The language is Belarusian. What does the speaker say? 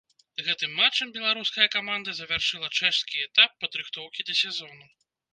Гэтым матчам беларуская каманда завяршыла чэшскі этап падрыхтоўкі да сезону.